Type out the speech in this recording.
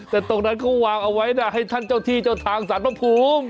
แต่ตรงนั้นเขาวางเอาไว้นะให้ท่านเจ้าที่เจ้าทางสารพระภูมิ